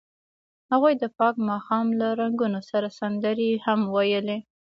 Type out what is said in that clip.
هغوی د پاک ماښام له رنګونو سره سندرې هم ویلې.